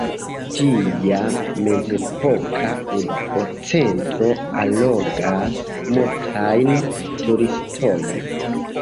Ĝia mezepoka urbocentro allogas multajn turistojn.